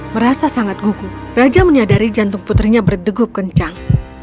merasa sangat gugu raja menyadari jantung putrinya berdegup kencang